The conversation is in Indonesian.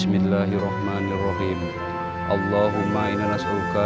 di adalah kakak kandung dari burukian dari majati beliau bermukim di